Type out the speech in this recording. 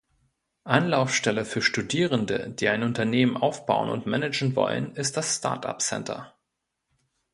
Anlaufstelle für Studierende, die ein Unternehmen aufbauen und managen wollen, ist das Startup Center.